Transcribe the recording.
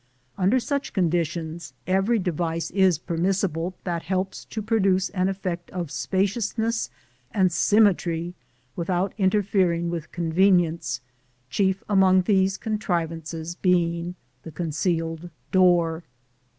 Under such conditions, every device is permissible that helps to produce an effect of spaciousness and symmetry without interfering with convenience: chief among these contrivances being the concealed door.